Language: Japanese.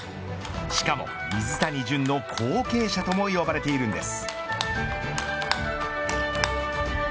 しかも、水谷隼の後継者とも呼ばれているんです。